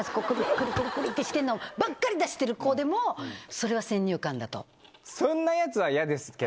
クルクルクルってしてんのばっかり出してる子でもそれは先入観だと。